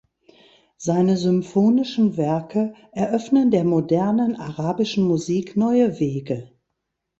Seine symphonischen Werke eröffnen der modernen arabischen Musik neue Wege.